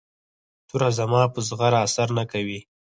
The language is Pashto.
توره زما په زغره اثر نه کوي.